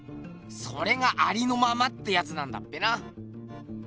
それが「ありのまま」ってやつなんだっぺな。